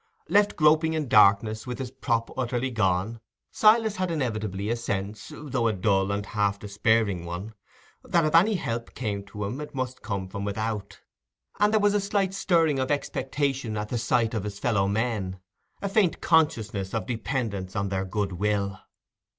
Left groping in darkness, with his prop utterly gone, Silas had inevitably a sense, though a dull and half despairing one, that if any help came to him it must come from without; and there was a slight stirring of expectation at the sight of his fellow men, a faint consciousness of dependence on their goodwill.